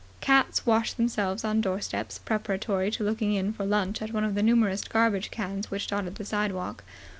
Cats washed themselves on doorsteps, preparatory to looking in for lunch at one of the numerous garbage cans which dotted the sidewalk.